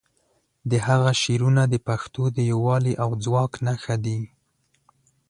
د هغه شعرونه د پښتو د یووالي او ځواک نښه دي.